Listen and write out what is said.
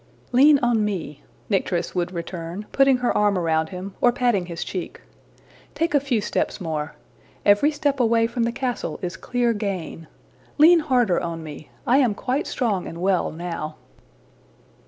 ``Lean on me,'' Nycteris would return, putting her arm around him, or patting his cheek. ``Take a few steps more. Every step away from the castle is clear gain. Lean harder on me. I am quite strong and well now.''